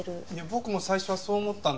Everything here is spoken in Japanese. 僕も最初はそう思ったんです。